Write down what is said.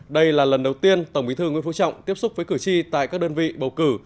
đây là lần đầu tiên tổng bí thư nguyễn phú trọng tiếp xúc với cử tri tại các đơn vị bầu cử